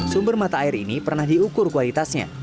sumber mata air ini pernah diukur kualitasnya